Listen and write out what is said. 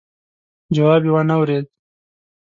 جواب يې وانه ورېد.